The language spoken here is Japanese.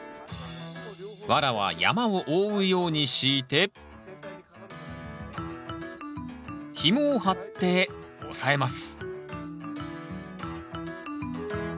ワラは山を覆うように敷いてひもを張って押さえます